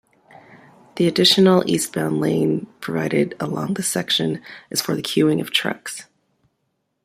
The additional eastbound lane provided along this section is for the queueing of trucks.